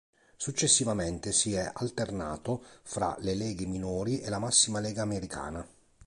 Successivamente si è alternato fra le leghe minori e la massima lega americana.